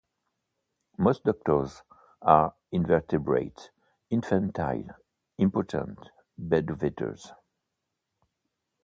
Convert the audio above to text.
Most doctors are invertebrate, infantile, impotent bedwetters.